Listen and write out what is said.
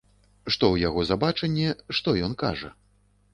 Што ў яго за бачанне, што ён кажа.